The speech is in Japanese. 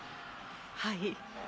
はい。